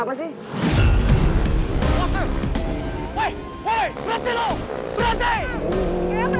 sampai jumpa di video selanjutnya